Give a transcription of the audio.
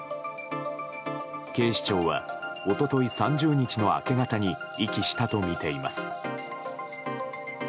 警視庁は一昨日３０日の明け方に遺棄したとみています。